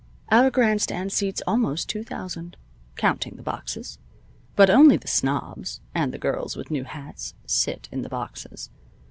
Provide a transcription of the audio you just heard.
Our grand stand seats almost two thousand, counting the boxes. But only the snobs, and the girls with new hats, sit in the boxes.